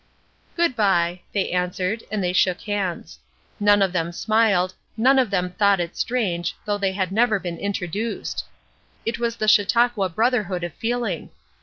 "Good bye," they answered, and they shook hands. None of them smiled, none of them thought it strange; though they had never been introduced! It was the Chautauqua brotherhood of feeling.